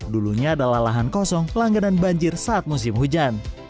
dulunya adalah lahan kosong langganan banjir saat musim hujan